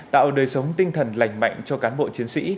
tạo đời sống tinh thần lành mạnh cho cán bộ chiến sĩ